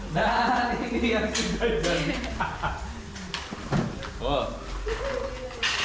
nah ini yang sudah diberikan